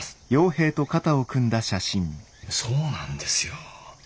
そうなんですよ。